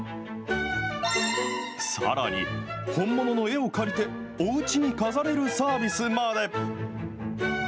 さらに、本物の絵を借りておうちに飾れるサービスまで。